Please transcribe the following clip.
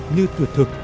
như thuyệt thực